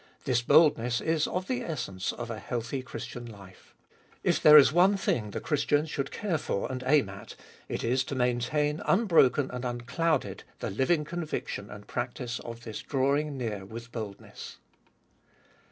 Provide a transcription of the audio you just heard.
This boldness is of the essence of a healthy Christian life. If there is one thing the Christian should care for and aim at, it is to maintain unbroken and unclouded the living conviction and practice of this drawing near with boldness.